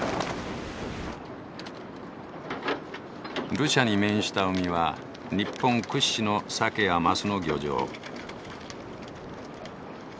ルシャに面した海は日本屈指のサケやマスの漁場。